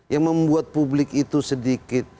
yang membuat publik itu sedikit